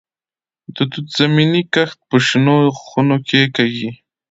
د توت زمینی کښت په شنو خونو کې کیږي.